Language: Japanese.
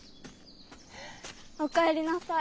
おかえりなさい。